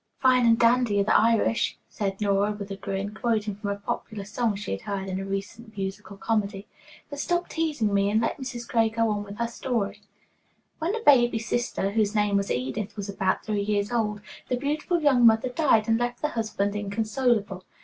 "'Fine and dandy are the Irish,'" said Nora with a grin, quoting from a popular song she had heard in a recent musical comedy. "But stop teasing me, and let Mrs. Gray go on with her story." "When the baby sister, whose name was Edith, was about three years old, the beautiful young mother died and left the husband inconsolable.